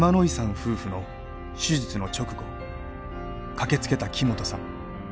夫婦の手術の直後駆けつけた木本さん。